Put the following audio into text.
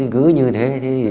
cứ như thế